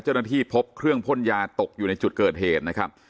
เจ้าหน้าที่พบเครื่องพ่นยาตกอยู่ในจุดเกิดเหตุนะครับ